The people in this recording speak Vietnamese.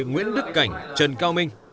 nguyễn đức cảnh trần cao minh